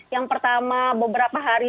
yang pertama beberapa hari